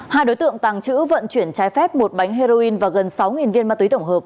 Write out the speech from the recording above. hai đối tượng tàng trữ vận chuyển trái phép một bánh heroin và gần sáu viên ma túy tổng hợp